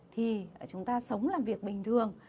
thì chúng ta sống làm việc bình thường